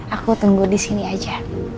aku tunggu di sini aja